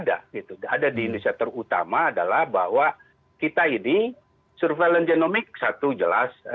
ada gitu ada di indonesia terutama adalah bahwa kita ini surveillance genomic satu jelas